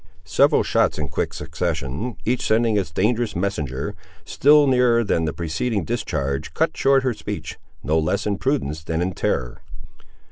Several shots in quick succession, each sending its dangerous messenger, still nearer than the preceding discharge, cut short her speech, no less in prudence than in terror.